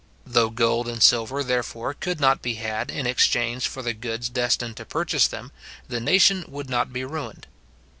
Though gold and silver, therefore, could not be had in exchange for the goods destined to purchase them, the nation would not be ruined.